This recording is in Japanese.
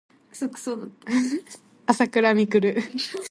あさくらみくる